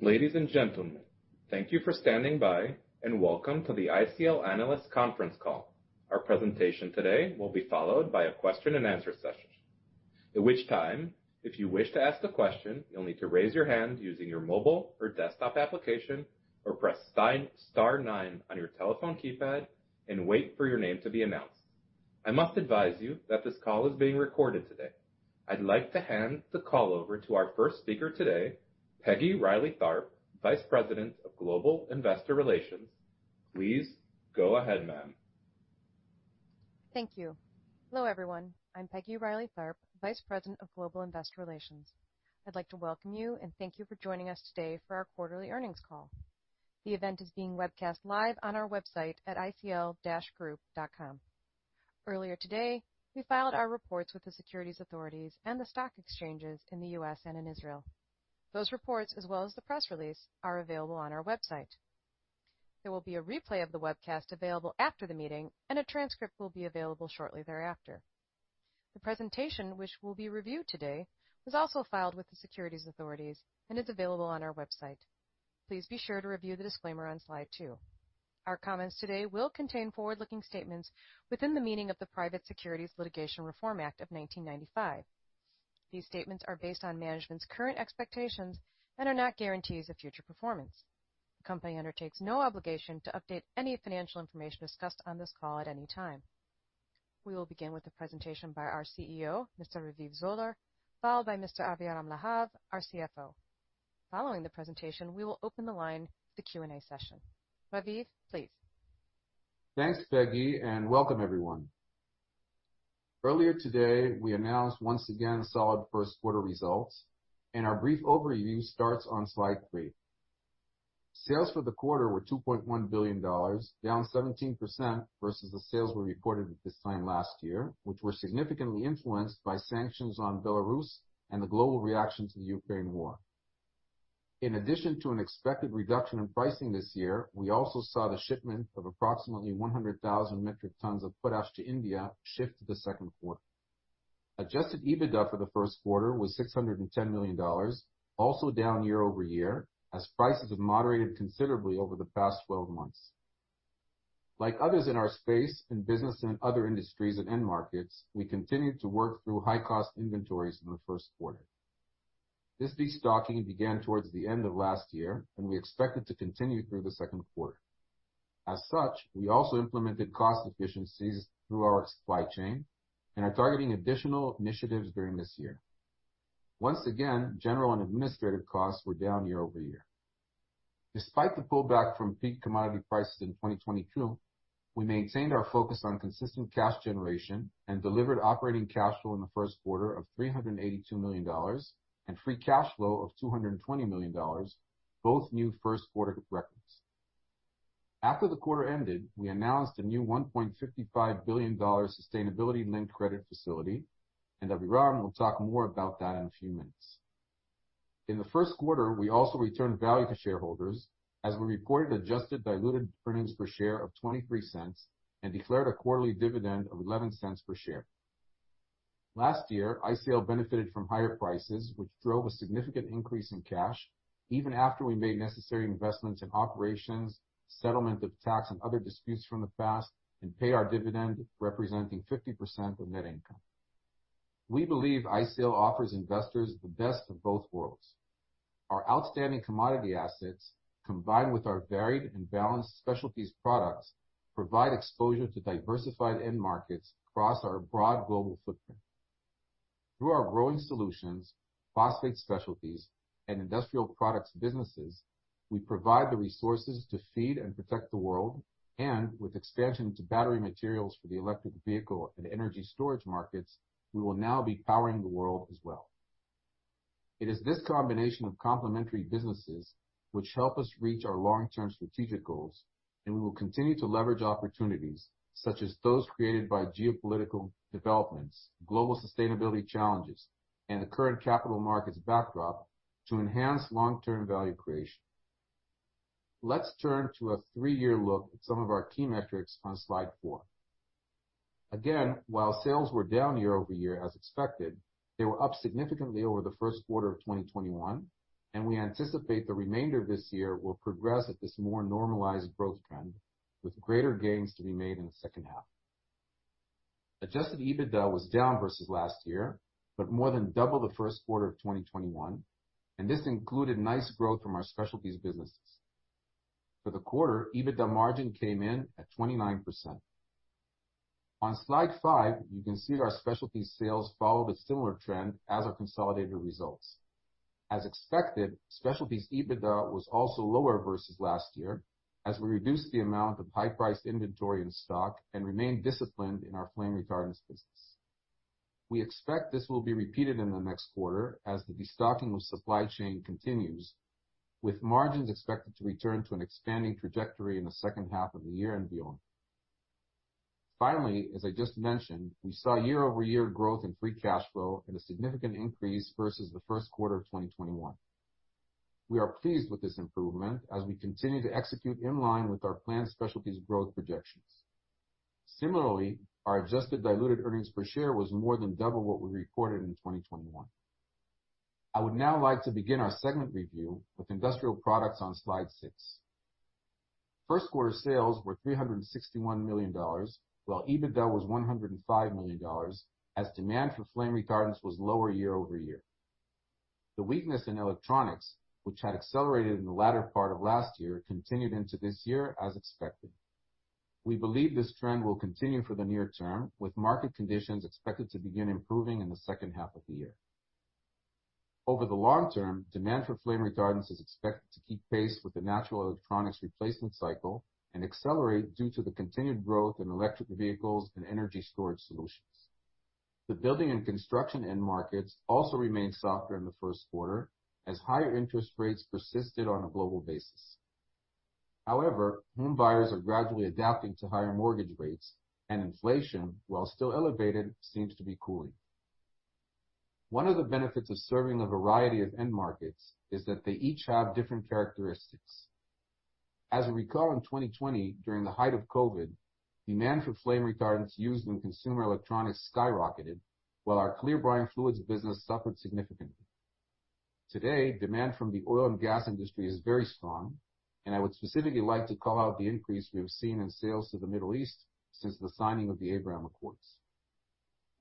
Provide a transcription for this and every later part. Ladies and gentlemen, thank you for standing by. Welcome to the ICL Analyst Conference Call. Our presentation today will be followed by a question-and-answer session. At which time, if you wish to ask the question, you'll need to raise your hand using your mobile or desktop application, or press Star nine on your telephone keypad and wait for your name to be announced. I must advise you that this call is being recorded today. I'd like to hand the call over to our first speaker today, Peggy Reilly Tharp, Vice President of Global Investor Relations. Please go ahead, ma'am. Thank you. Hello, everyone. I'm Peggy Reilly Tharp, Vice President of Global Investor Relations. I'd like to welcome you, and thank you for joining us today for our quarterly earnings call. The event is being webcast live on our website at icl-group.com. Earlier today, we filed our reports with the securities authorities and the stock exchanges in the U.S. and in Israel. Those reports, as well as the press release, are available on our website. There will be a replay of the webcast available after the meeting, and a transcript will be available shortly thereafter. The presentation, which will be reviewed today, was also filed with the securities authorities and is available on our website. Please be sure to review the disclaimer on Slide 2. Our comments today will contain forward-looking statements within the meaning of the Private Securities Litigation Reform Act of 1995. These statements are based on management's current expectations and are not guarantees of future performance. The company undertakes no obligation to update any financial information discussed on this call at any time. We will begin with a presentation by our CEO, Mr. Raviv Zoller, followed by Mr. Aviram Lahav, our CFO. Following the presentation, we will open the line to the Q&A session. Raviv, please. Thanks, Peggy. Welcome everyone. Earlier today, we announced once again solid first-quarter results and our brief overview starts on Slide 3. Sales for the quarter were $2.1 billion, down 17% versus the sales we reported at this time last year, which were significantly influenced by sanctions on Belarus and the global reaction to the Ukraine war. In addition to an expected reduction in pricing this year, we also saw the shipment of approximately 100,000 metric tons of potash to India shift to the second quarter. Adjusted EBITDA for the first quarter was $610 million, also down year-over-year as prices have moderated considerably over the past 12 months. Like others in our space, in business and other industries and end markets, we continued to work through high cost inventories in the first quarter. This destocking began towards the end of last year. We expect it to continue through the second quarter. As such, we also implemented cost efficiencies through our supply chain and are targeting additional initiatives during this year. Once again, general and administrative costs were down year-over-year. Despite the pullback from peak commodity prices in 2022, we maintained our focus on consistent cash generation and delivered operating cash flow in the first quarter of $382 million, and free cash flow of $220 million. Both new first quarter records. After the quarter ended, we announced a new $1.55 billion sustainability linked revolving credit facility. Aviram will talk more about that in a few minutes. In the first quarter, we also returned value to shareholders as we reported adjusted diluted earnings per share of $0.23 and declared a quarterly dividend of $0.11 per share. Last year, ICL benefited from higher prices, which drove a significant increase in cash even after we made necessary investments in operations, settlement of tax and other disputes from the past, and paid our dividend, representing 50% of net income. We believe ICL offers investors the best of both worlds. Our outstanding commodity assets, combined with our varied and balanced specialties products, provide exposure to diversified end markets across our broad global footprint. Through our growing solutions, phosphate specialties, and industrial products businesses, we provide the resources to feed and protect the world, and with expansion to battery materials for the electric vehicle and energy storage markets, we will now be powering the world as well. It is this combination of complementary businesses which help us reach our long-term strategic goals, and we will continue to leverage opportunities such as those created by geopolitical developments, global sustainability challenges, and the current capital markets backdrop to enhance long-term value creation. Let's turn to a three-year look at some of our key metrics on Slide 4. Again, while sales were down year-over-year as expected, they were up significantly over the first quarter of 2021, and we anticipate the remainder of this year will progress at this more normalized growth trend, with greater gains to be made in the second half. Adjusted EBITDA was down versus last year, but more than double the first quarter of 2021, and this included nice growth from our specialties businesses. For the quarter, EBITDA margin came in at 29%. On Slide 5, you can see our specialties sales followed a similar trend as our consolidated results. As expected, specialties EBITDA was also lower versus last year as we reduced the amount of high-priced inventory in stock and remained disciplined in our flame retardants business. We expect this will be repeated in the next quarter as the destocking of supply chain continues, with margins expected to return to an expanding trajectory in the second half of the year and beyond. Finally, as I just mentioned, we saw year-over-year growth in free cash flow and a significant increase versus the first quarter of 2021. We are pleased with this improvement as we continue to execute in line with our planned specialties growth projections. Similarly, our adjusted diluted earnings per share was more than double what we recorded in 2021. I would now like to begin our segment review with industrial products on Slide 6. First quarter sales were $361 million, while EBITDA was $105 million as demand for flame retardants was lower year-over-year. The weakness in electronics, which had accelerated in the latter part of last year, continued into this year as expected. We believe this trend will continue for the near term, with market conditions expected to begin improving in the second half of the year. Over the long term, demand for flame retardants is expected to keep pace with the natural electronics replacement cycle and accelerate due to the continued growth in electric vehicles and energy storage solutions. The building and construction end markets also remained softer in the first quarter as higher interest rates persisted on a global basis. However, home buyers are gradually adapting to higher mortgage rates and inflation, while still elevated, seems to be cooling. One of the benefits of serving a variety of end markets is that they each have different characteristics. As you recall, in 2020, during the height of COVID, demand for flame retardants used in consumer electronics skyrocketed, while our clear brine fluids business suffered significantly. Today, demand from the oil and gas industry is very strong, and I would specifically like to call out the increase we have seen in sales to the Middle East since the signing of the Abraham Accords.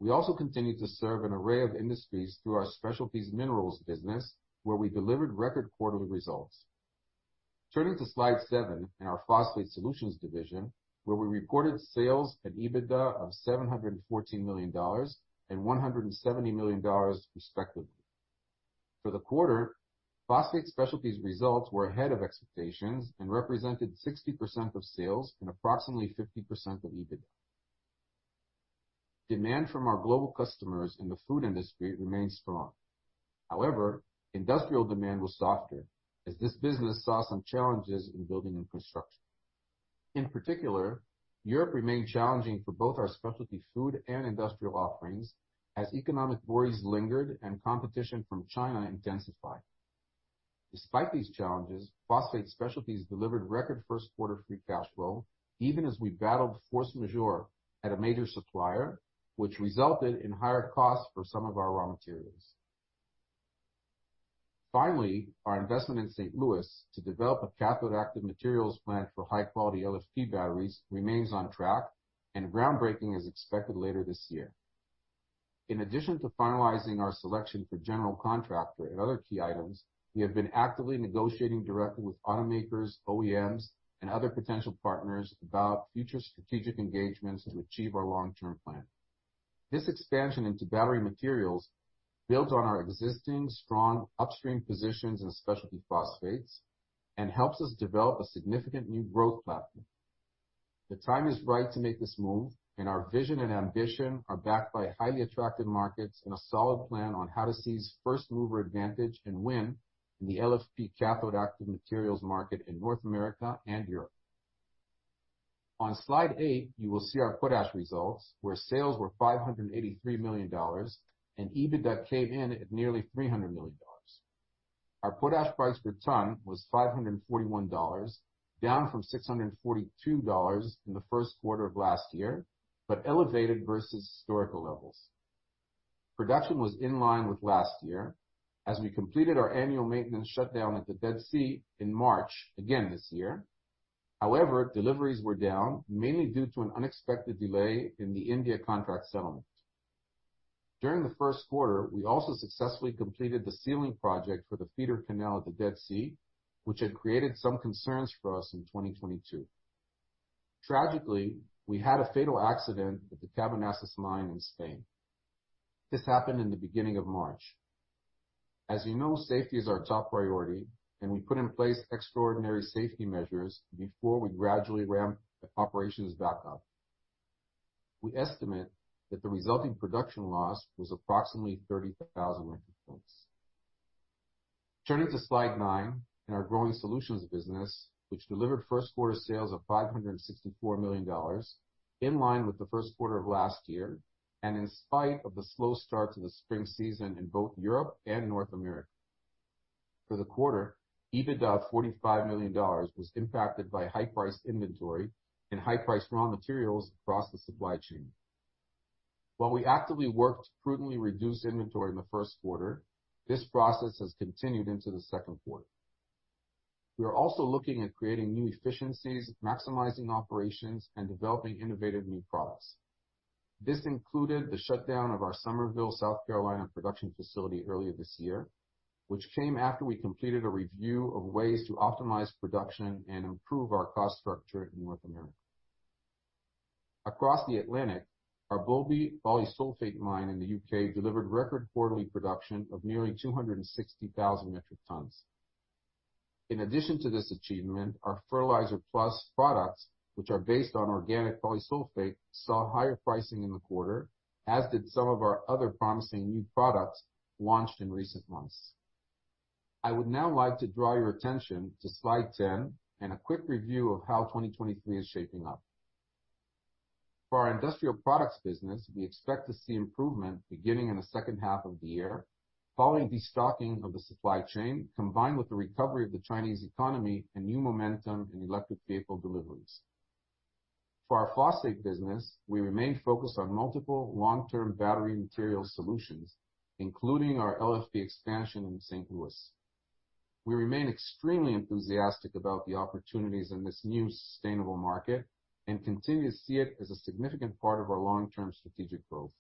We also continue to serve an array of industries through our specialties minerals business, where we delivered record quarterly results. Turning to Slide 7 in our Phosphate Solutions division, where we reported sales and EBITDA of $714 million and $170 million, respectively. For the quarter, phosphate specialties results were ahead of expectations and represented 60% of sales and approximately 50% of EBITDA. Demand from our global customers in the food industry remained strong. Industrial demand was softer as this business saw some challenges in building infrastructure. In particular, Europe remained challenging for both our specialty food and industrial offerings as economic worries lingered and competition from China intensified. Despite these challenges, phosphate specialties delivered record first quarter free cash flow even as we battled force majeure at a major supplier, which resulted in higher costs for some of our raw materials. Our investment in St. Louis to develop a cathode active materials plant for high-quality LFP batteries remains on track and groundbreaking is expected later this year. In addition to finalizing our selection for general contractor and other key items, we have been actively negotiating directly with automakers, OEMs, and other potential partners about future strategic engagements to achieve our long-term plan. This expansion into battery materials builds on our existing strong upstream positions in specialty phosphates and helps us develop a significant new growth platform. The time is right to make this move, and our vision and ambition are backed by highly attractive markets and a solid plan on how to seize first-mover advantage and win in the LFP cathode active materials market in North America and Europe. On Slide 8, you will see our potash results, where sales were $583 million and EBITDA came in at nearly $300 million. Our potash price per ton was $541, down from $642 in the first quarter of last year, but elevated versus historical levels. Production was in line with last year as we completed our annual maintenance shutdown at the Dead Sea in March again this year. However, deliveries were down, mainly due to an unexpected delay in the India contract settlement. During the first quarter, we also successfully completed the sealing project for the feeder canal at the Dead Sea, which had created some concerns for us in 2022. Tragically, we had a fatal accident at the Cabanasses mine in Spain. This happened in the beginning of March. As you know, safety is our top priority and we put in place extraordinary safety measures before we gradually ramp operations back up. We estimate that the resulting production loss was approximately 30,000 metric tons. Turning to Slide 9 in our growing solutions business, which delivered first quarter sales of $564 million, in line with the first quarter of last year, and in spite of the slow start to the spring season in both Europe and North America. For the quarter, EBITDA of $45 million was impacted by high-priced inventory and high-priced raw materials across the supply chain. While we actively worked to prudently reduce inventory in the first quarter, this process has continued into the second quarter. We are also looking at creating new efficiencies, maximizing operations, and developing innovative new products. This included the shutdown of our Summerville, South Carolina production facility earlier this year, which came after we completed a review of ways to optimize production and improve our cost structure in North America. Across the Atlantic, our Boulby Polysulphate mine in the U.K. delivered record quarterly production of nearly 260,000 metric tons. In addition to this achievement, our Fertilizer Plus products, which are based on organic Polysulphate, saw higher pricing in the quarter, as did some of our other promising new products launched in recent months. I would now like to draw your attention to Slide 10 and a quick review of how 2023 is shaping up. For our industrial products business, we expect to see improvement beginning in the second half of the year, following destocking of the supply chain, combined with the recovery of the Chinese economy and new momentum in electric vehicle deliveries. For our phosphate business, we remain focused on multiple long-term battery material solutions, including our LFP expansion in St. Louis. We remain extremely enthusiastic about the opportunities in this new sustainable market and continue to see it as a significant part of our long-term strategic growth.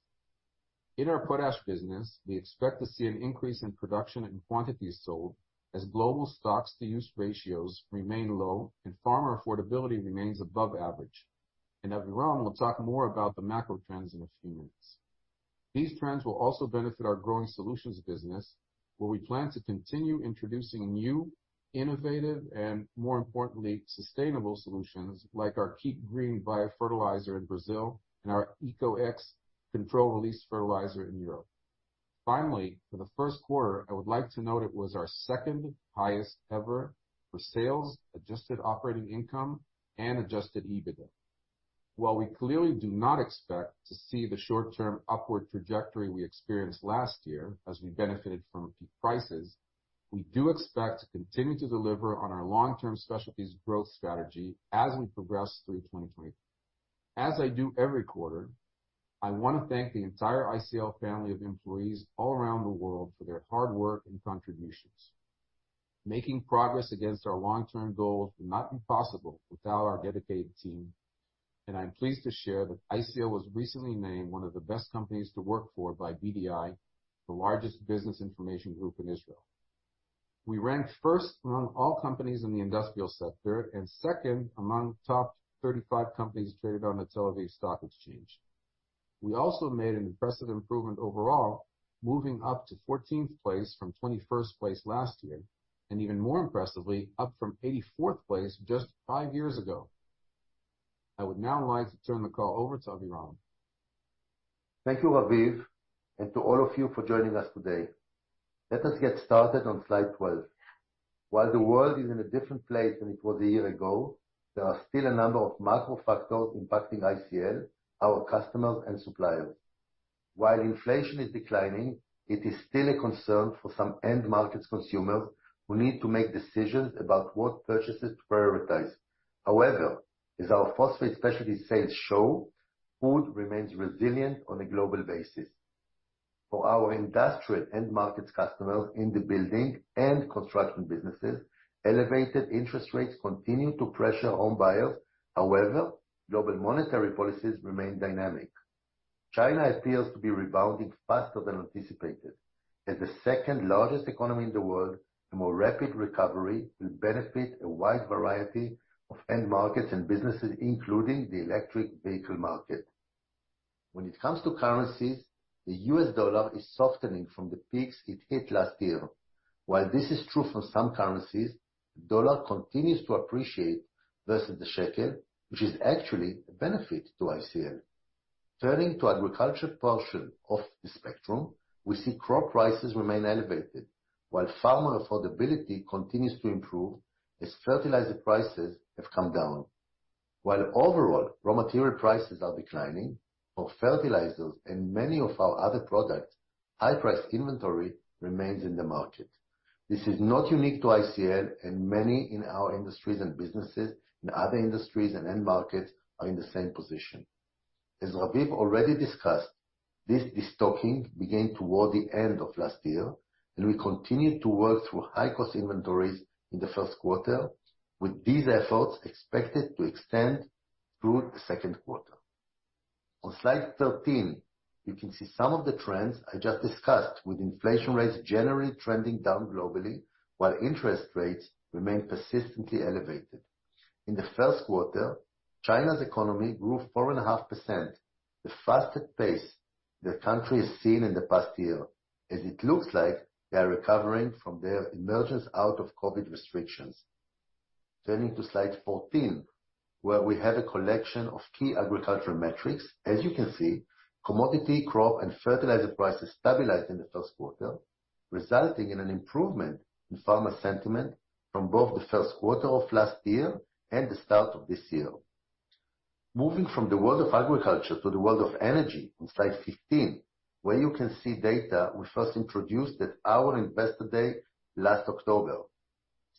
In our potash business, we expect to see an increase in production and quantity sold as global stocks-to-use ratios remain low and farmer affordability remains above average. Aviram will talk more about the macro trends in a few minutes. These trends will also benefit our growing solutions business, where we plan to continue introducing new, innovative, and more importantly, sustainable solutions like our Keep Green biofertilizer in Brazil and our eqo.x controlled-release fertilizer in Europe. Finally, for the first quarter, I would like to note it was our second-highest ever for sales, adjusted operating income, and adjusted EBITDA. While we clearly do not expect to see the short-term upward trajectory we experienced last year as we benefited from peak prices, we do expect to continue to deliver on our long-term specialties growth strategy as we progress through 2020. As I do every quarter, I want to thank the entire ICL family of employees all around the world for their hard work and contributions. Making progress against our long-term goals would not be possible without our dedicated team, and I'm pleased to share that ICL was recently named one of the best companies to work for by BDI, the largest business information group in Israel. We ranked first among all companies in the industrial sector, and second among top 35 companies traded on the Tel Aviv Stock Exchange. We also made an impressive improvement overall, moving up to 14th place from 21st place last year, and even more impressively, up from 84th place just five years ago. I would now like to turn the call over to Aviram. Thank you, Raviv, and to all of you for joining us today. Let us get started on Slide 12. While the world is in a different place than it was a year ago, there are still a number of macro factors impacting ICL, our customers, and suppliers. While inflation is declining, it is still a concern for some end markets consumers who need to make decisions about what purchases to prioritize. However, as our phosphate specialty sales show, food remains resilient on a global basis. For our industrial end markets customers in the building and construction businesses, elevated interest rates continue to pressure home buyers. However, global monetary policies remain dynamic. China appears to be rebounding faster than anticipated. As the second-largest economy in the world, a more rapid recovery will benefit a wide variety of end markets and businesses, including the electric vehicle market. When it comes to currencies, the U.S. dollar is softening from the peaks it hit last year. While this is true for some currencies, the dollar continues to appreciate versus the shekel, which is actually a benefit to ICL. Turning to agriculture portion of the spectrum, we see crop prices remain elevated while farmer affordability continues to improve as fertilizer prices have come down. While overall raw material prices are declining, for fertilizers and many of our other products, high price inventory remains in the market. This is not unique to ICL, and many in our industries and businesses and other industries and end markets are in the same position. As Raviv already discussed, this destocking began toward the end of last year, and we continued to work through high-cost inventories in the first quarter, with these efforts expected to extend through the second quarter. On Slide 13, you can see some of the trends I just discussed with inflation rates generally trending down globally while interest rates remain persistently elevated. In the first quarter, China's economy grew 4.5%, the fastest pace the country has seen in the past year, as it looks like they are recovering from their emergence out of COVID restrictions. Turning to Slide 14, where we have a collection of key agricultural metrics. As you can see, commodity crop and fertilizer prices stabilized in the first quarter, resulting in an improvement in farmer sentiment from both the first quarter of last year and the start of this year. Moving from the world of agriculture to the world of energy on Slide 15, where you can see data we first introduced at our investor day last October.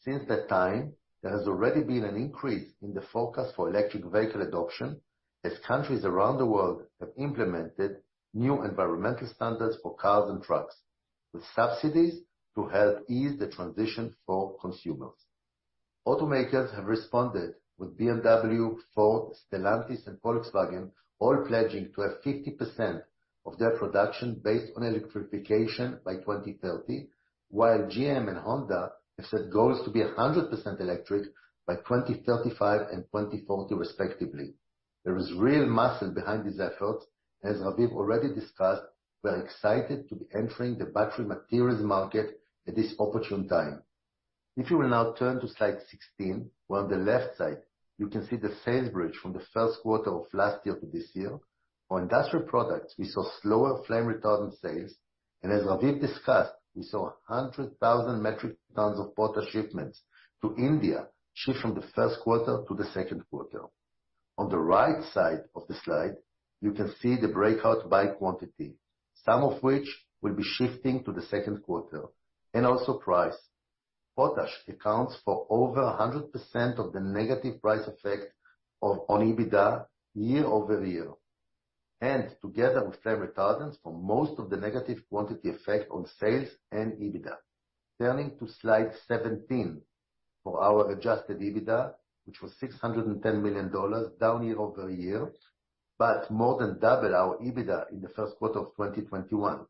Since that time, there has already been an increase in the forecast for electric vehicle adoption as countries around the world have implemented new environmental standards for cars and trucks with subsidies to help ease the transition for consumers. Automakers have responded with BMW, Ford, Stellantis, and Volkswagen all pledging to have 50% of their production based on electrification by 2030, while GM and Honda have set goals to be 100% electric by 2035 and 2040 respectively. There is real muscle behind these efforts. As Raviv already discussed, we're excited to be entering the battery materials market at this opportune time. If you will now turn to Slide 16, where on the left side you can see the sales bridge from the first quarter of last year to this year. On industrial products, we saw slower flame retardant sales, as Raviv discussed, we saw 100,000 metric tons of potash shipments to India shift from the first quarter to the second quarter. On the right side of the slide, you can see the breakout by quantity, some of which will be shifting to the second quarter, and also price. Potash accounts for over 100% of the negative price effect of, on EBITDA year-over-year, and together with flame retardants for most of the negative quantity effect on sales and EBITDA. Turning to Slide 17 for our adjusted EBITDA, which was $610 million down year-over-year, more than double our EBITDA in the first quarter of 2021.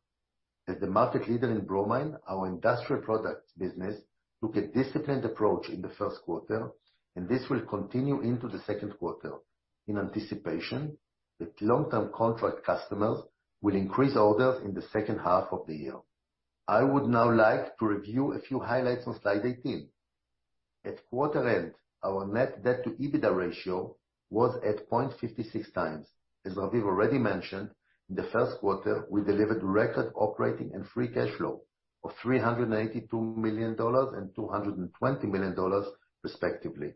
As the market leader in bromine, our industrial products business took a disciplined approach in the first quarter. This will continue into the second quarter in anticipation that long-term contract customers will increase orders in the second half of the year. I would now like to review a few highlights on Slide 18. At quarter end, our net debt to EBITDA ratio was at 0.56x. As Raviv already mentioned, in the first quarter, we delivered record operating and free cash flow of $382 million and $220 million respectively,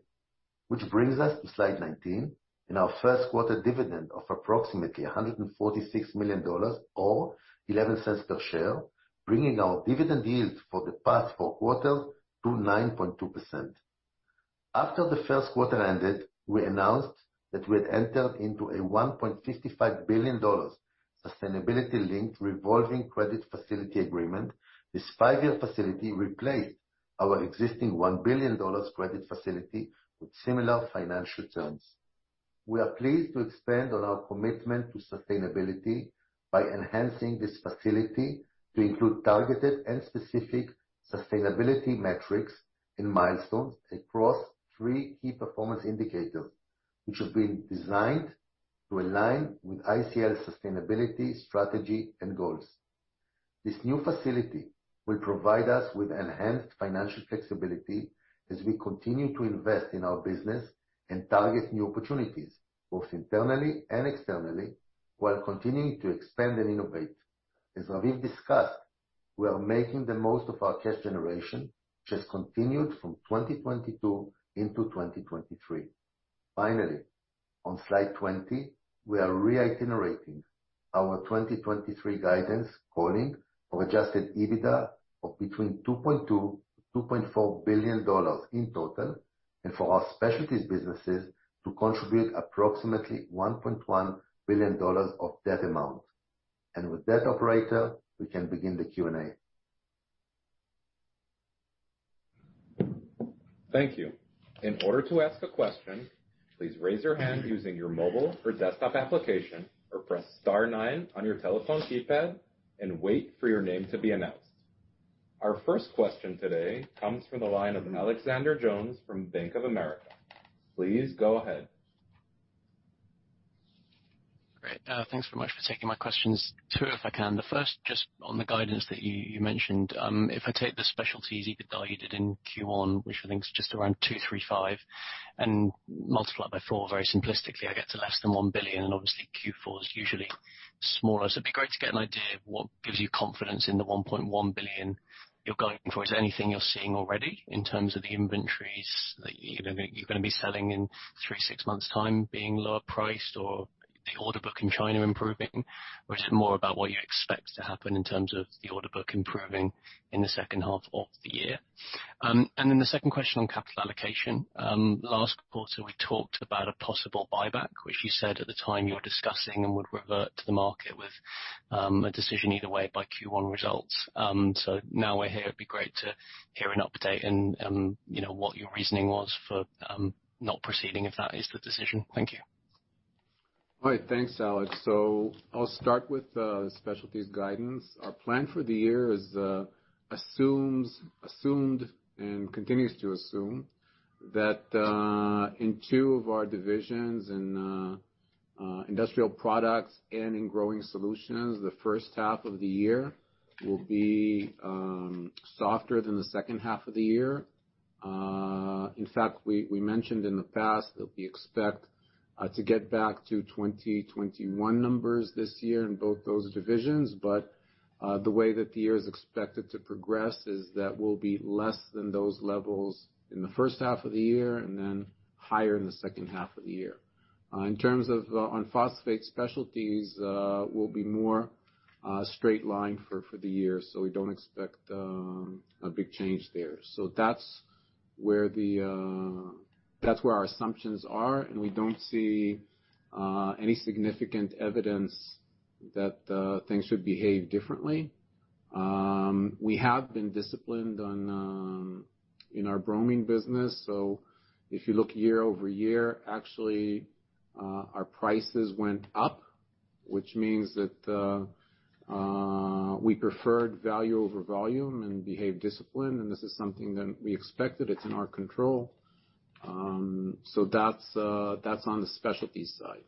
which brings us to slide 19 and our first quarter dividend of approximately $146 million or $0.11 per share, bringing our dividend yield for the past four quarters to 9.2%. After the first quarter ended, we announced that we had entered into a $1.55 billion sustainability-linked revolving credit facility agreement. This 5-year facility replaced our existing $1 billion credit facility with similar financial terms. We are pleased to expand on our commitment to sustainability by enhancing this facility to include targeted and specific sustainability metrics and milestones across 3 key performance indicators, which have been designed to align with ICL sustainability, strategy, and goals. This new facility will provide us with enhanced financial flexibility as we continue to invest in our business and target new opportunities both internally and externally, while continuing to expand and innovate. As Raviv discussed, we are making the most of our cash generation, which has continued from 2022 into 2023. Finally, on Slide 20, we are reiterating our 2023 guidance calling of adjusted EBITDA of between $2.2 billion-$2.4 billion in total, and for our specialties businesses to contribute approximately $1.1 billion of that amount. With that, operator, we can begin the Q&A. Thank you. In order to ask a question, please raise your hand using your mobile or desktop application or press star nine on your telephone keypad and wait for your name to be announced. Our first question today comes from the line of Alexander Jones from Bank of America. Please go ahead. Great. Thanks very much for taking my questions. 2, if I can. The first just on the guidance that you mentioned, if I take the specialties EBITDA you did in Q1, which I think is just around $235 million and multiply by four very simplistically, I get to less than $1 billion. Obviously Q4 is usually smaller. It'd be great to get an idea of what gives you confidence in the $1.1 billion you're going for. Is there anything you're seeing already in terms of the inventories that you're going to be selling in 3-6 months time being lower priced or the order book in China improving? Is it more about what you expect to happen in terms of the order book improving in the second half of the year? Then the second question on capital allocation. Last quarter, we talked about a possible buyback, which you said at the time you were discussing and would revert to the market with a decision either way by Q1 results. Now we're here, it'd be great to hear an update and, you know, what your reasoning was for not proceeding, if that is the decision. Thank you. All right. Thanks, Alex. I'll start with specialties guidance. Our plan for the year is assumed and continues to assume that in two of our divisions in Industrial Products and in Growing Solutions, the first half of the year will be softer than the second half of the year. In fact, we mentioned in the past that we expect to get back to 2021 numbers this year in both those divisions. The way that the year is expected to progress is that we'll be less than those levels in the first half of the year and then higher in the second half of the year. In terms of on Phosphate Specialties, we'll be more straight line for the year, we don't expect a big change there. That's where the, that's where our assumptions are, and we don't see any significant evidence that things should behave differently. We have been disciplined on in our bromine business. If you look year-over-year, actually, our prices went up, which means that we preferred value over volume and behaved disciplined, and this is something that we expected. It's in our control. That's on the specialties side.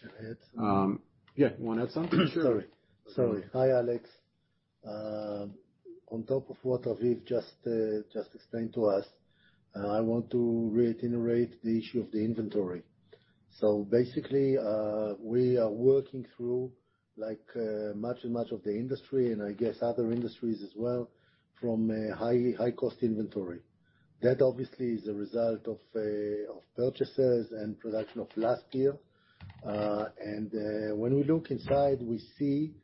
Can I add something? Yeah. You wanna add something? Sure. Sorry. Hi, Alex, on top of what Raviv just explained to us, I want to reiterate the issue of the inventory. Basically, we are working through like, much and much of the industry, and I guess other industries as well, from a high, high-cost inventory. That obviously is a result of purchases and production of last year. When we look inside, we see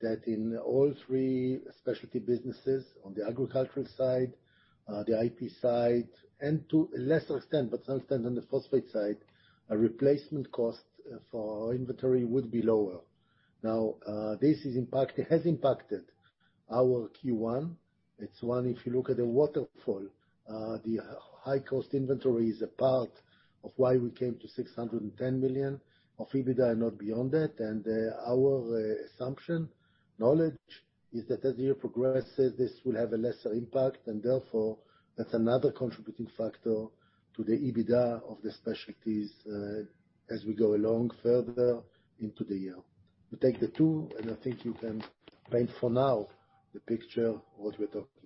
that in all three specialty businesses on the agricultural side, the IP side, and to a lesser extent, but some extent on the phosphate side, a replacement cost for our inventory would be lower. This has impacted our Q1. It's one, if you look at the waterfall, the high cost inventory is a part of why we came to $610 million of EBITDA, not beyond that. Our assumption, knowledge is that as the year progresses, this will have a lesser impact, and therefore, that's another contributing factor to the EBITDA of the specialties as we go along further into the year. You take the two, and I think you can paint for now the picture, what we're talking about.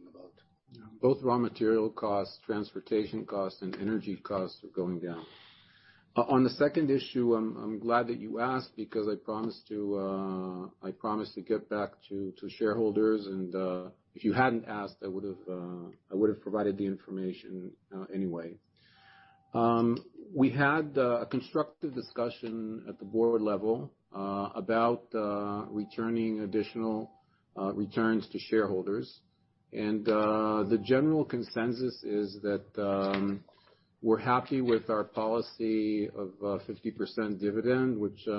Yeah. Both raw material costs, transportation costs, and energy costs are going down. On the second issue, I'm glad that you asked, because I promised to get back to shareholders and if you hadn't asked, I would've provided the information anyway. We had a constructive discussion at the board level about returning additional returns to shareholders. The general consensus is that we're happy with our policy of 50% dividend, which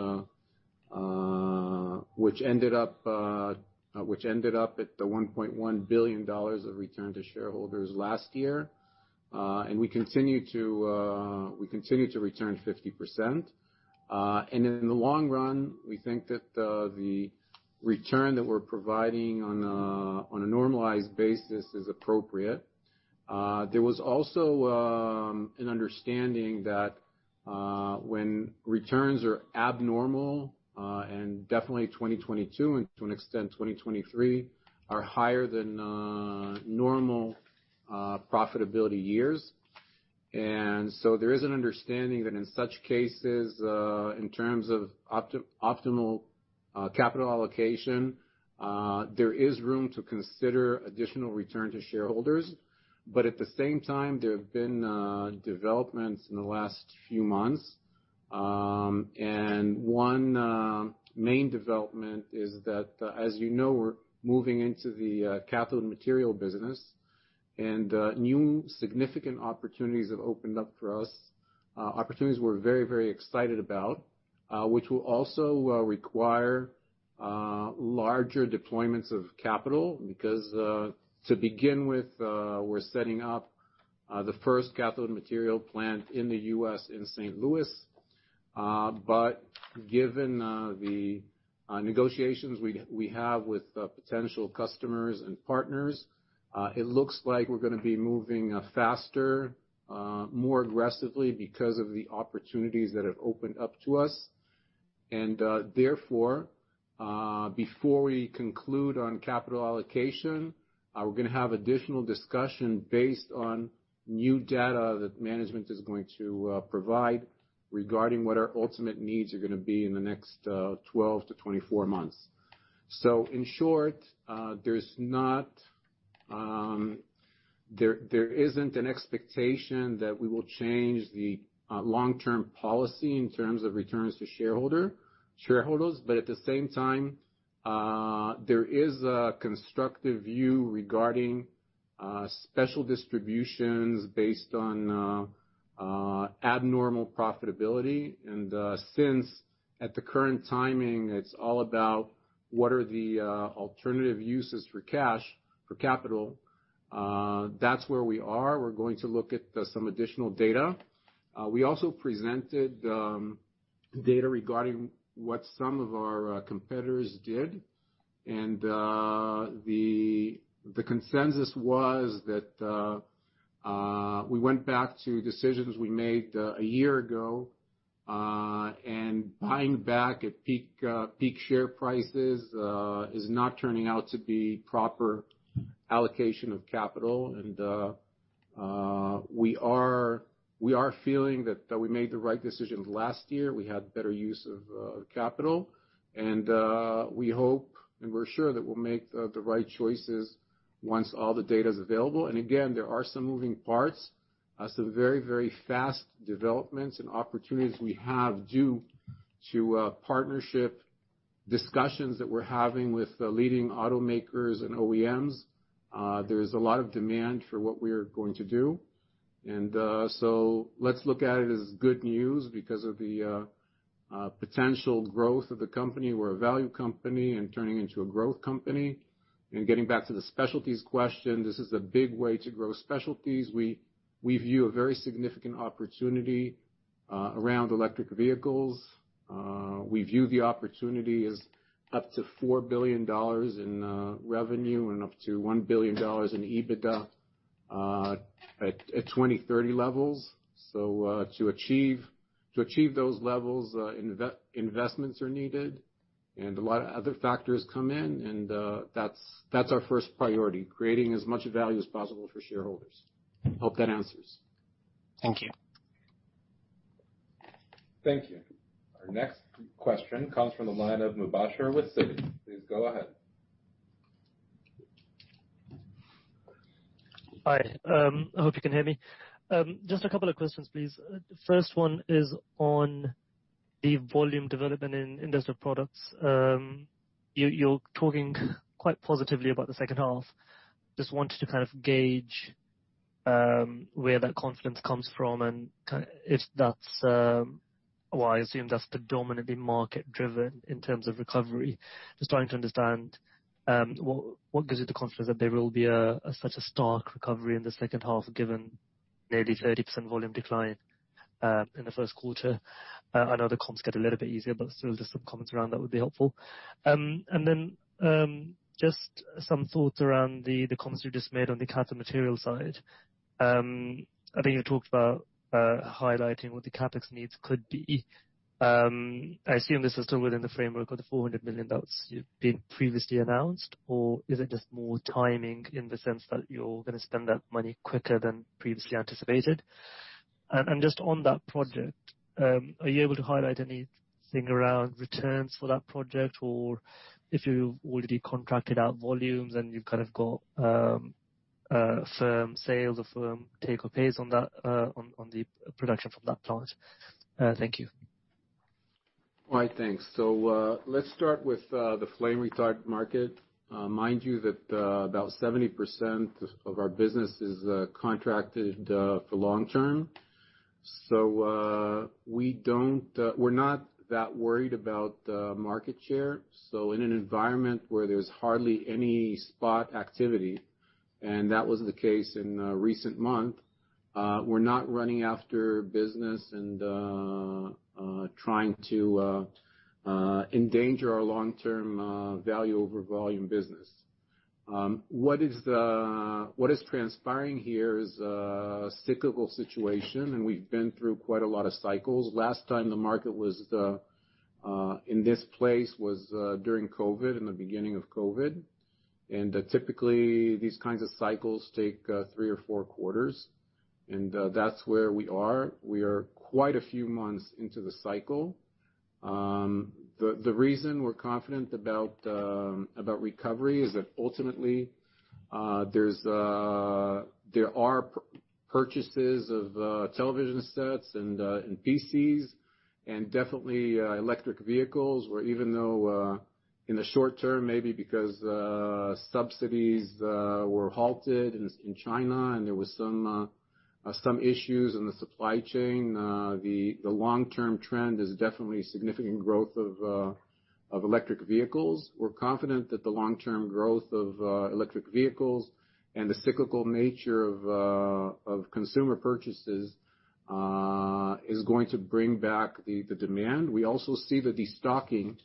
ended up at $1.1 billion of return to shareholders last year. We continue to return 50%. In the long run, we think that the return that we're providing on a normalized basis is appropriate. There was also an understanding that when returns are abnormal, and definitely 2022 and to an extent 2023, are higher than normal profitability years. There is an understanding that in such cases, in terms of optimal capital allocation, there is room to consider additional return to shareholders. At the same time, there have been developments in the last few months. One main development is that as you know, we're moving into the cathode material business and new significant opportunities have opened up for us, opportunities we're very, very excited about, which will also require larger deployments of capital. Because to begin with, we're setting up the first cathode material plant in the U.S. in St. Louis. Given the negotiations we have with potential customers and partners, it looks like we're going to be moving faster, more aggressively because of the opportunities that have opened up to us. Therefore, before we conclude on capital allocation, we're going to have additional discussion based on new data that management is going to provide regarding what our ultimate needs are going to be in the next 12-24 months. In short, there isn't an expectation that we will change the long-term policy in terms of returns to shareholders. At the same time, there is a constructive view regarding special distributions based on abnormal profitability. Since at the current timing, it's all about what are the alternative uses for cash, for capital, that's where we are. We're going to look at some additional data. We also presented data regarding what some of our competitors did. The consensus was that we went back to decisions we made a year ago, and buying back at peak share prices is not turning out to be proper allocation of capital. We are feeling that we made the right decisions last year. We had better use of capital. We hope, and we're sure that we'll make the right choices once all the data is available. Again, there are some moving parts, some very, very fast developments and opportunities we have due to partnership discussions that we're having with the leading automakers and OEMs. There's a lot of demand for what we are going to do. Let's look at it as good news because of the potential growth of the company. We're a value company and turning into a growth company. Getting back to the specialties question, this is a big way to grow specialties. We view a very significant opportunity around electric vehicles. We view the opportunity as up to $4 billion in revenue and up to $1 billion in EBITDA at 2030 levels. To achieve those levels, investments are needed and a lot of other factors come in. That's our first priority, creating as much value as possible for shareholders. Hope that answers. Thank you. Thank you. Our next question comes from the line of Mubasher with Citi. Please go ahead. Hi, I hope you can hear me. Just a couple of questions, please. The first one is on the volume development in industrial products. You're talking quite positively about the second half. Just wanted to kind of gauge where that confidence comes from and if that's, well, I assume that's predominantly market driven in terms of recovery. Just trying to understand what gives you the confidence that there will be a such a stark recovery in the second half, given maybe 30% volume decline in the first quarter? I know the comps get a little bit easier, but still just some comments around that would be helpful. Just some thoughts around the comments you just made on the cathode material side. I think you talked about highlighting what the CapEx needs could be. I assume this is still within the framework of the $400 million you've been previously announced, or is it just more timing in the sense that you're gonna spend that money quicker than previously anticipated? Just on that project, are you able to highlight anything around returns for that project or if you've already contracted out volumes and you've kind of got firm sales or firm take or pays on the production from that plant? Thank you. Right. Thanks. Let's start with the flame retardants market. Mind you that about 70% of our business is contracted for long term. We're not that worried about market share. In an environment where there's hardly any spot activity, and that was the case in recent month, we're not running after business and trying to endanger our long-term value over volume business. What is transpiring here is a cyclical situation, and we've been through quite a lot of cycles. Last time the market was in this place was during COVID, in the beginning of COVID. Typically these kinds of cycles take three or four quarters, and that's where we are. We are quite a few months into the cycle. The reason we're confident about recovery is that ultimately, there are purchases of television sets and PCs and definitely electric vehicles, where even though in the short term, maybe because subsidies were halted in China and there was some issues in the supply chain, the long-term trend is definitely significant growth of electric vehicles. We're confident that the long-term growth of electric vehicles and the cyclical nature of consumer purchases is going to bring back the demand. We also see the destocking.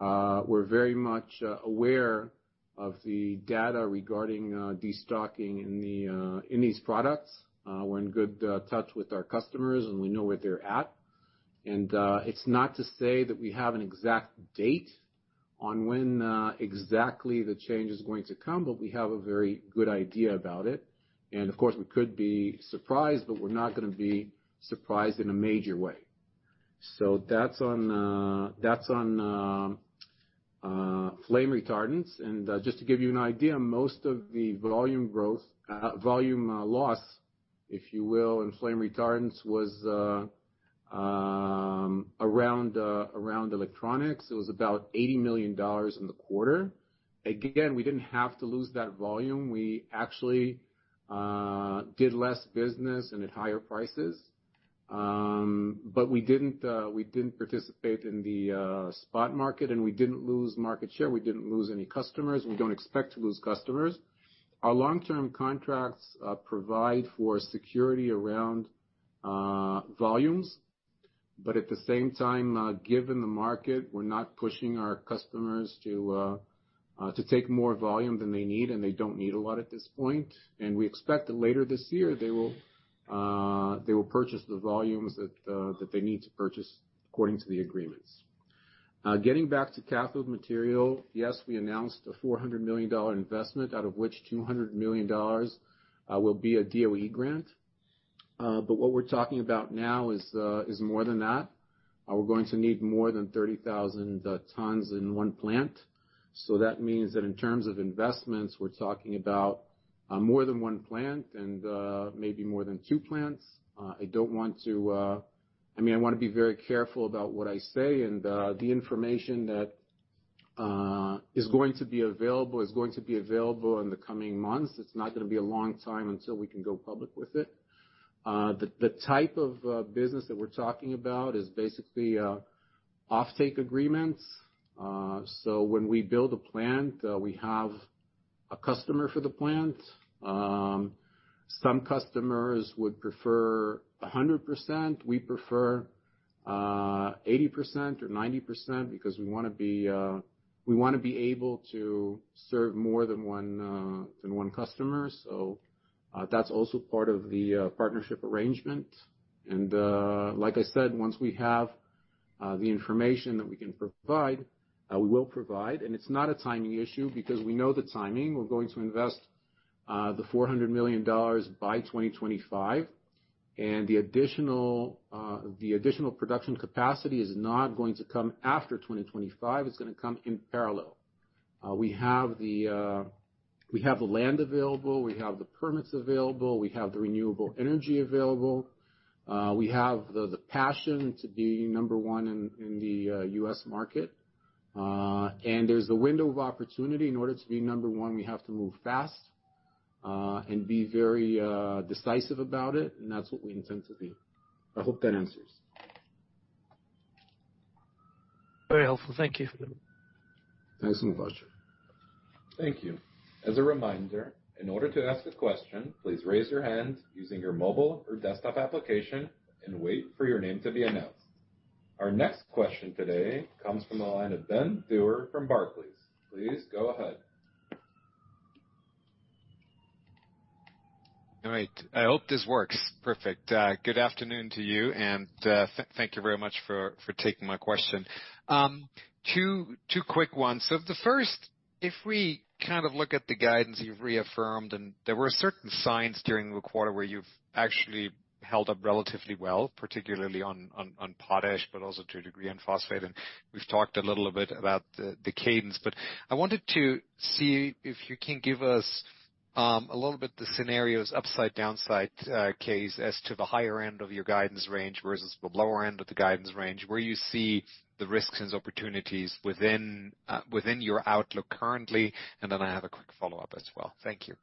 We're very much aware of the data regarding destocking in these products. We're in good touch with our customers, and we know where they're at. It's not to say that we have an exact date on when exactly the change is going to come, but we have a very good idea about it. Of course, we could be surprised, but we're not gonna be surprised in a major way. That's on flame retardants. Just to give you an idea, most of the volume loss, if you will, in flame retardants was around electronics. It was about $80 million in the quarter. Again, we didn't have to lose that volume. We actually did less business and at higher prices. But we didn't participate in the spot market, and we didn't lose market share. We didn't lose any customers. We don't expect to lose customers. Our long-term contracts provide for security around volumes. At the same time, given the market, we're not pushing our customers to take more volume than they need, and they don't need a lot at this point. We expect that later this year, they will purchase the volumes that they need to purchase according to the agreements. Getting back to cathode material, yes, we announced a $400 million investment, out of which $200 million will be a DOE grant. What we're talking about now is more than that. We're going to need more than 30,000 tons in one plant. That means that in terms of investments, we're talking about more than 1 plant and maybe more than 2 plants. I mean, I wanna be very careful about what I say, and the information that is going to be available is going to be available in the coming months. It's not gonna be a long time until we can go public with it. The, the type of business that we're talking about is basically offtake agreements. When we build a plant, we have a customer for the plant. Some customers would prefer 100%. We prefer 80% or 90% because we wanna be able to serve more than 1 than 1 customer. That's also part of the partnership arrangement. like I said, once we have the information that we can provide, we will provide. It's not a timing issue because we know the timing. We're going to invest $400 million by 2025. The additional production capacity is not going to come after 2025, it's gonna come in parallel. We have the land available, we have the permits available, we have the renewable energy available, we have the passion to be number one in in the U.S. market. There's the window of opportunity. In order to be number one, we have to move fast and be very decisive about it, and that's what we intend to be. I hope that answers. Very helpful. Thank you. Thanks for the question. Thank you. As a reminder, in order to ask a question, please raise your hand using your mobile or desktop application and wait for your name to be announced. Our next question today comes from the line of Ben Theurer from Barclays. Please go ahead. All right. I hope this works. Perfect. Good afternoon to you, and, thank you very much for taking my question. Two quick ones. The first, if we kind of look at the guidance you've reaffirmed, and there were certain signs during the quarter where you've actually held up relatively well, particularly on potash, but also to a degree in phosphate. We've talked a little bit about the cadence, but I wanted to see if you can give us a little bit the scenarios, upside, downside, case as to the higher end of your guidance range versus the lower end of the guidance range, where you see the risks and opportunities within your outlook currently. I have a quick follow-up as well. Thank you.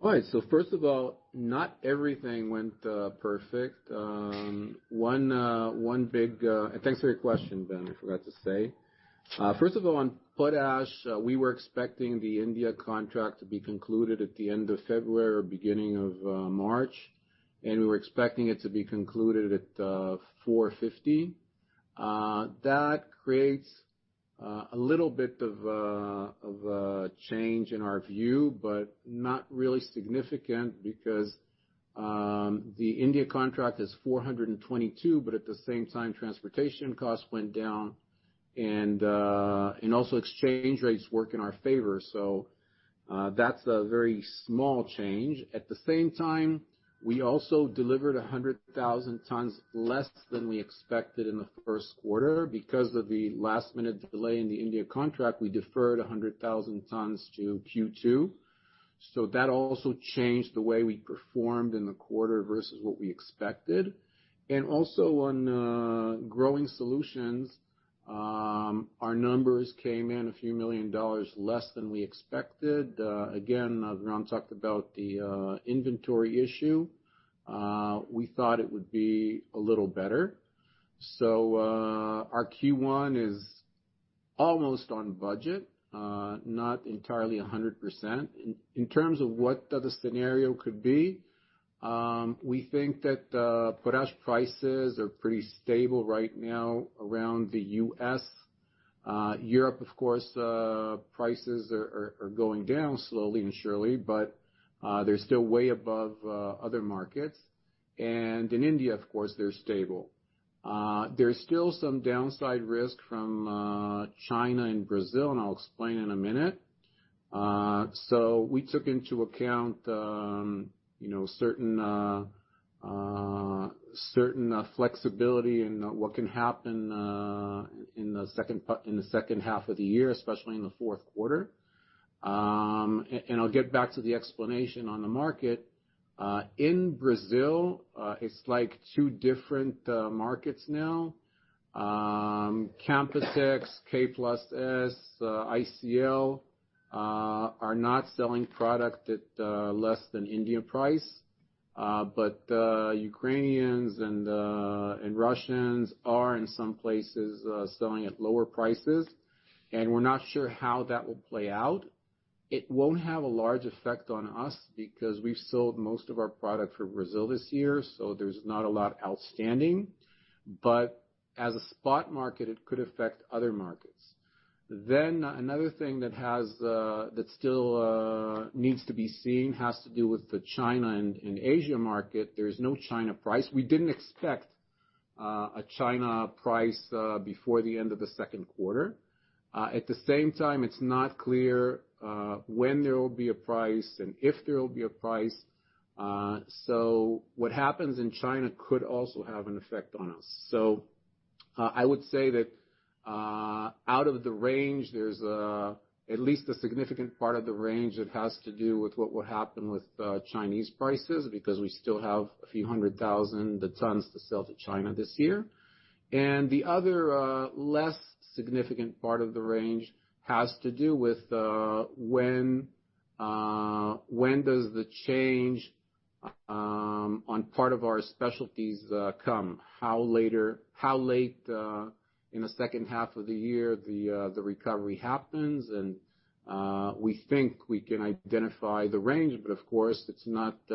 All right. First of all, not everything went perfect. Thanks for your question, Ben, I forgot to say. First of all, on potash, we were expecting the India contract to be concluded at the end of February or beginning of March, and we were expecting it to be concluded at $450. That creates a little bit of a change in our view, but not really significant because the India contract is $422, but at the same time, transportation costs went down and also exchange rates work in our favor. That's a very small change. At the same time, we also delivered 100,000 tons less than we expected in the first quarter. Because of the last minute delay in the India contract, we deferred 100,000 tons to Q2. That also changed the way we performed in the quarter versus what we expected. Also on growing solutions, our numbers came in a few million dollars less than we expected. Again, Ram talked about the inventory issue. We thought it would be a little better. Our Q1 is almost on budget, not entirely 100%. In terms of what the scenario could be, we think that potash prices are pretty stable right now around the U.S. Europe, of course, prices are going down slowly and surely, but they're still way above other markets. In India, of course, they're stable. There's still some downside risk from China and Brazil, and I'll explain in a minute. We took into account, you know, certain flexibility in what can happen in the second half of the year, especially in the fourth quarter. I'll get back to the explanation on the market. In Brazil, it's like two different markets now. Canpotex, K+S, ICL are not selling product at less than Indian price. Ukrainians and Russians are in some places selling at lower prices, and we're not sure how that will play out. It won't have a large effect on us because we've sold most of our product for Brazil this year, so there's not a lot outstanding. As a spot market, it could affect other markets. Another thing that has that still needs to be seen has to do with the China and Asia market. There's no China price. We didn't expect a China price before the end of the second quarter. It's not clear when there will be a price and if there will be a price. What happens in China could also have an effect on us. I would say that out of the range, there's at least a significant part of the range that has to do with what would happen with Chinese prices because we still have a few hundred thousand, the tons to sell to China this year. The other less significant part of the range has to do with when the change on part of our specialties come? How late in the second half of the year the recovery happens? We think we can identify the range, but of course, it's not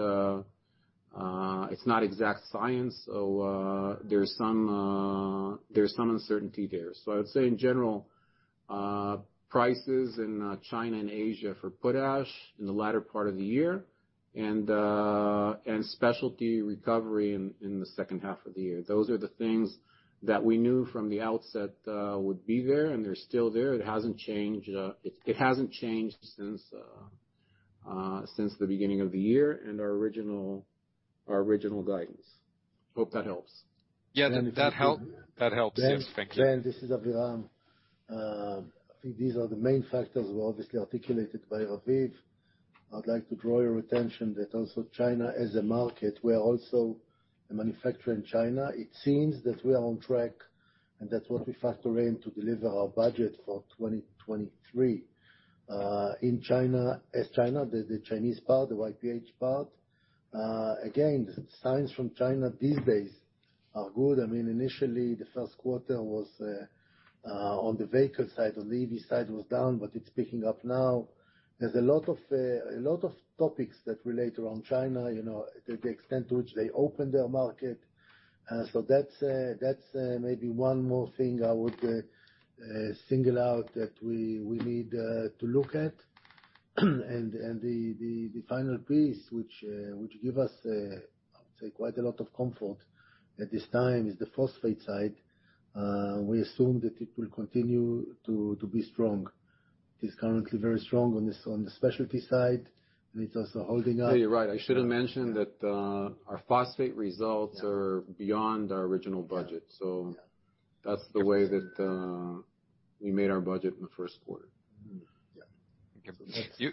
exact science, so there's some uncertainty there. I would say in general, prices in China and Asia for potash in the latter part of the year and specialty recovery in the second half of the year. Those are the things that we knew from the outset would be there, and they're still there. It hasn't changed, it hasn't changed since the beginning of the year and our original guidance. Hope that helps. Yeah, that help, that helps. Yes. Thank you. Ben, this is Aviram. I think these are the main factors were obviously articulated by Raviv. I would like to draw your attention that also China as a market, we are also a manufacturer in China. It seems that we are on track, and that's what we factor in to deliver our budget for 2023. in China, as China, the Chinese part, the YPH part, again, the signs from China these days are good. I mean, initially the first quarter was on the vehicle side, on the EV side, was down, but it's picking up now. There's a lot of topics that relate around China, you know, the extent to which they open their market. That's that's maybe one more thing I would single out that we need to look at. The final piece which give us, I would say, quite a lot of comfort at this time is the phosphate side. We assume that it will continue to be strong. It's currently very strong on the specialty side, and it's also holding up. Yeah, you're right. I should have mentioned that, our phosphate results. Yeah. are beyond our original budget. Yeah. Yeah. That's the way that, we made our budget in the first quarter. Mm-hmm. Yeah.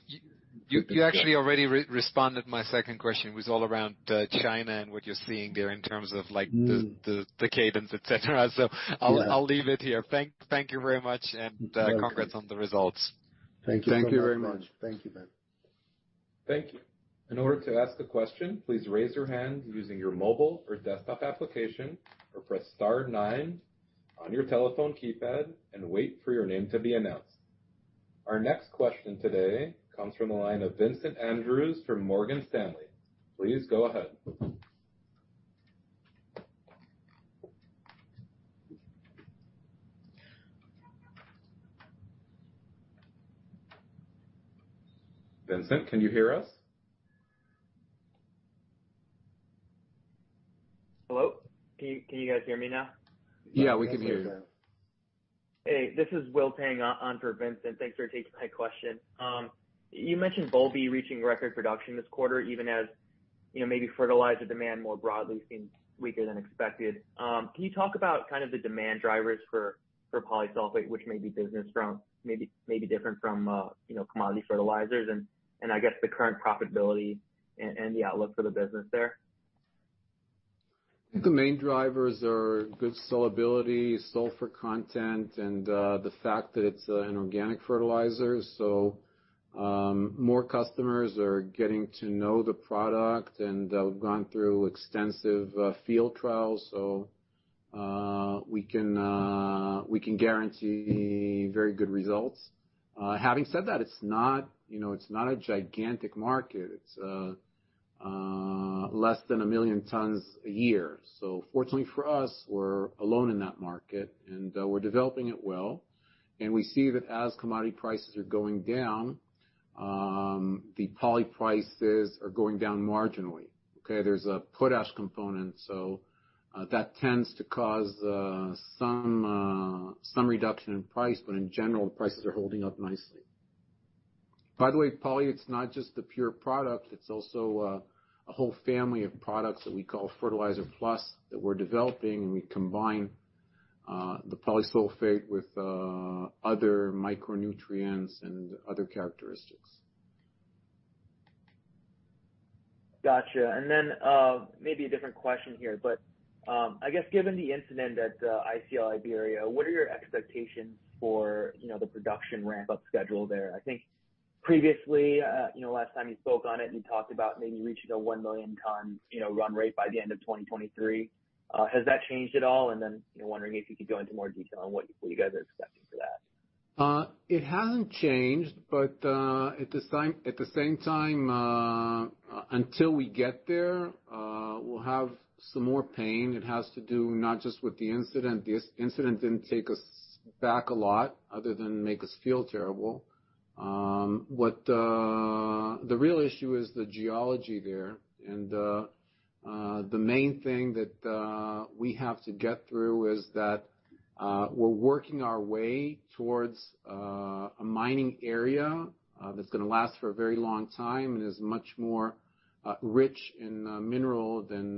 You actually already responded my second question, was all around China and what you're seeing there in terms of, like. Mm. the cadence, et cetera. Yeah. I'll leave it here. Thank you very much, and congrats on the results. Thank you. Thank you very much. Thank you, Ben. Thank you. In order to ask a question, please raise your hand using your mobile or desktop application, or press star nine on your telephone keypad and wait for your name to be announced. Our next question today comes from the line of Vincent Andrews from Morgan Stanley. Please go ahead. Vincent, can you hear us? Hello? Can you guys hear me now? Yeah, we can hear you. Yes, we can. Hey, this is Will Tang on for Vincent. Thanks for taking my question. You mentioned Boulby reaching record production this quarter, even as, you know, maybe fertilizer demand more broadly seems weaker than expected. Can you talk about kind of the demand drivers for Polysulphate, which may be business from maybe, may be different from, you know, commodity fertilizers and I guess the current profitability and the outlook for the business there? I think the main drivers are good solubility, sulfur content, and the fact that it's an organic fertilizer, so more customers are getting to know the product, and they've gone through extensive field trials, so we can guarantee very good results. Having said that, it's not, you know, it's not a gigantic market. It's less than 1 million tons a year. Fortunately for us, we're alone in that market and we're developing it well. We see that as commodity prices are going down, the poly prices are going down marginally, okay? There's a potash component, so that tends to cause some reduction in price, but in general, the prices are holding up nicely. By the way, poly, it's not just the pure product, it's also a whole family of products that we call Fertilizer Plus that we're developing. We combine the Polysulphate with other micronutrients and other characteristics. Gotcha. Maybe a different question here. I guess given the incident at ICL Iberia, what are your expectations for, you know, the production ramp-up schedule there? I think previously, you know, last time you spoke on it, you talked about maybe reaching a 1 million ton, you know, run rate by the end of 2023. Has that changed at all? Wondering if you could go into more detail on what you guys are expecting for that. It hasn't changed, but at the same time, until we get there, we'll have some more pain. It has to do not just with the incident. The incident didn't take us back a lot, other than make us feel terrible. What the real issue is the geology there. The main thing that we have to get through is that we're working our way towards a mining area that's gonna last for a very long time and is much more rich in mineral than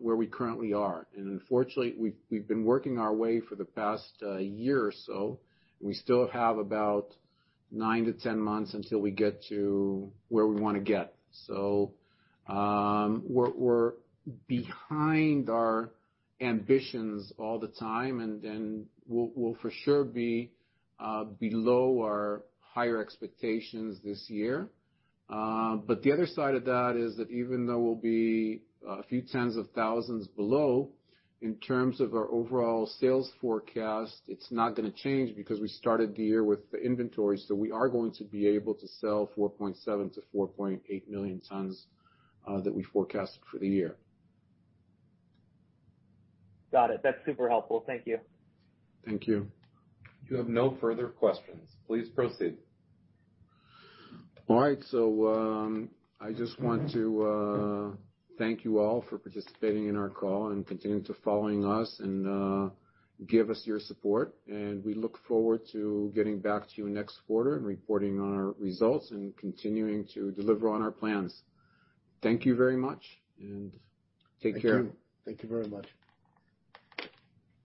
where we currently are. Unfortunately, we've been working our way for the past year or so. We still have about 9 to 10 months until we get to where we wanna get. We're behind our ambitions all the time and then we'll for sure be below our higher expectations this year. The other side of that is that even though we'll be a few tens of thousands below, in terms of our overall sales forecast, it's not gonna change because we started the year with the inventory. We are going to be able to sell 4.7 million-4.8 million tons that we forecasted for the year. Got it. That's super helpful. Thank you. Thank you. You have no further questions. Please proceed. All right. I just want to thank you all for participating in our call and continuing to following us, and give us your support. We look forward to getting back to you next quarter and reporting on our results and continuing to deliver on our plans. Thank you very much, and take care. Thank you. Thank you very much.